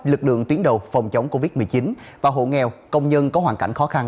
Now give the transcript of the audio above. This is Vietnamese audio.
lực lượng tuyến đầu phòng chống covid một mươi chín và hộ nghèo công nhân có hoàn cảnh khó khăn